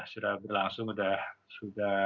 sudah berlangsung sudah